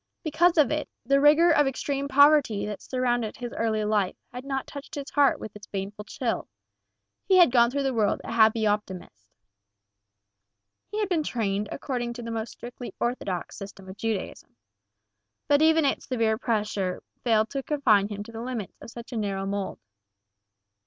Because of it, the rigor of extreme poverty that surrounded his early life had not touched his heart with its baneful chill. He had gone through the world a happy optimist. He had been trained according to the most strictly orthodox system of Judaism. But even its severe pressure had failed to confine him to the limits of such a narrow mold.